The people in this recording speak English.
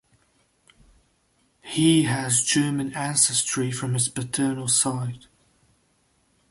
He has German ancestry from his paternal side.